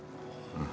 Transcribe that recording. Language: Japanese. うん。